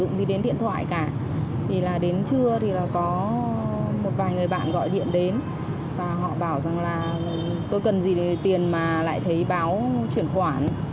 không gì đến điện thoại cả thì là đến trưa thì là có một vài người bạn gọi điện đến và họ bảo rằng là tôi cần gì tiền mà lại thấy báo chuyển khoản